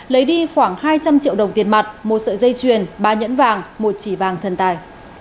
lấy đi khoảng hai trăm linh triệu đồng tiền mặt một sợi dây chuyền ba nhẫn vàng một chỉ vàng thần tài